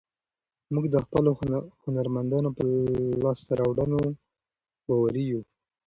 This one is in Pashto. موږ د خپلو هنرمندانو په لاسته راوړنو باوري یو.